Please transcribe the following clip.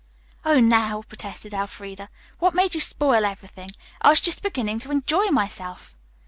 "Oh, now," protested Elfreda, "what made you spoil everything? I was just beginning to enjoy myself."